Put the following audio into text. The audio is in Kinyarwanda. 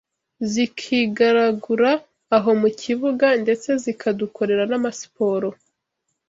zikigaragura aho mu kibuga ndetse zikadukorera n’amasiporo